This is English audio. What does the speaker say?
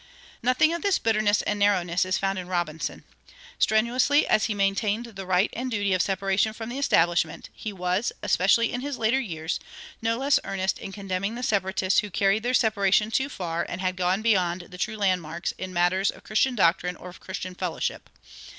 Nothing of this bitterness and narrowness is found in Robinson. Strenuously as he maintained the right and duty of separation from the Establishment, he was, especially in his later years, no less earnest in condemning the "Separatists who carried their separation too far and had gone beyond the true landmarks in matters of Christian doctrine or of Christian fellowship."